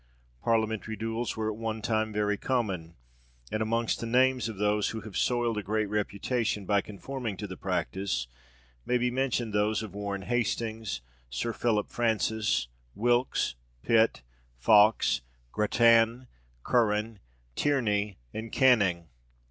Parliamentary duels were at one time very common, and amongst the names of those who have soiled a great reputation by conforming to the practice, may be mentioned those of Warren Hastings, Sir Philip Francis, Wilkes, Pitt, Fox, Grattan, Curran, Tierney, and Canning.